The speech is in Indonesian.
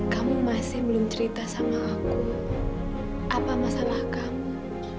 kamu masih belum cerita sama aku apa masalah kamu